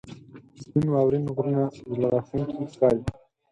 • سپین واورین غرونه زړه راښکونکي ښکاري.